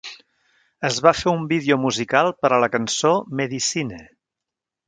Es va fer un vídeo musical per a la cançó "Medicine".